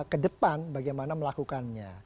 ke depan bagaimana melakukannya